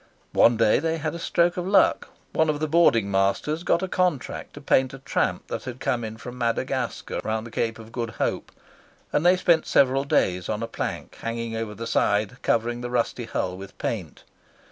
One day they had a stroke of luck: one of the boarding masters got a contract to paint a tramp that had come in from Madagascar round the Cape of Good Hope, and they spent several days on a plank hanging over the side, covering the rusty hull with paint.